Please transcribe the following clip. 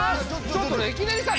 ちょっとレキデリさん！